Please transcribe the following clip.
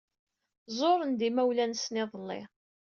Ẓuren-d imawlan-nsen iḍelli.